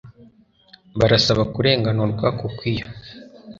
Barasaba kurenganurwa kuko iyo